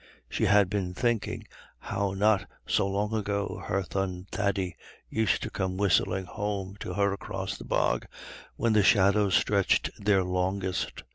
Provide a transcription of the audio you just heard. She had been thinking how not so long ago her son Thady used to come whistling home to her across the bog when the shadows stretched their longest.